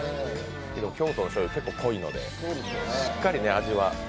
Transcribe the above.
京都の醤油、結構濃いので、しっかり味は。